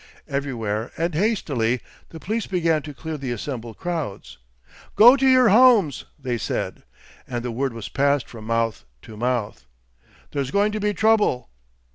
Everywhere and hastily the police began to clear the assembled crowds. "Go to your homes," they said; and the word was passed from mouth to mouth, "There's going to be trouble."